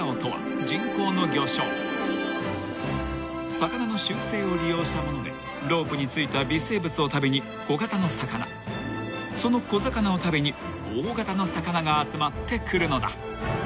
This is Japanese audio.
［魚の習性を利用した物でロープに付いた微生物を食べに小型の魚その小魚を食べに大型の魚が集まってくるのだ］